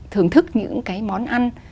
thưởng thức những cái món ăn